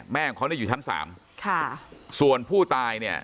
แม่ของเขาเนี่ยอยู่ชั้นสามค่ะส่วนผู้ตายเนี่ย